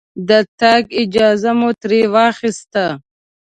د تګ اجازه مو ترې واخسته.